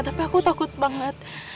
tapi aku takut banget